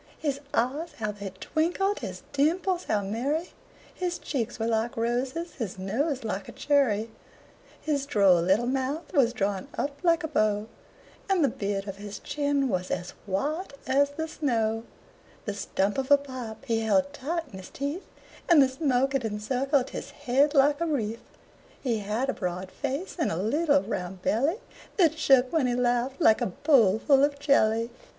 His eyes how they twinkled! his dimples how merry! His cheeks were like roses, his nose like a cherry; His droll little mouth was drawn up like a bow, And the beard on his chin was as white as the snow. The stump of a pipe he held tight in his teeth, And the smoke it encircled his head like a wreath. He had a broad face, and a little round belly That shook, when he laughed, like a bowl full of jelly.